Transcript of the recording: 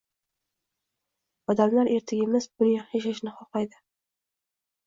Odamlar ertaga emas, bugun yaxshi yashashni xohlayding